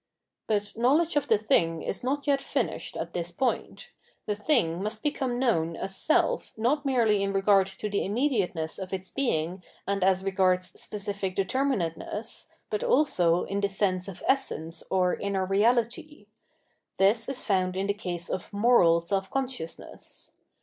But knowledge of the thing is not yet finished at this point. The thing must become known as self not merely in regard to the immediateness of its being and as regards specific determinateness, but also in the sense of essence or ianer reahty. This is found in the case of Moral Self consciousness.